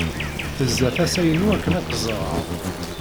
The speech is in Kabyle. Tezza tasa-inu akken ad k-ẓreɣ.